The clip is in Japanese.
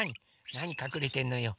なにかくれてんのよ。